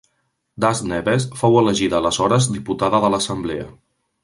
Das Neves fou elegida aleshores diputada de l'Assemblea.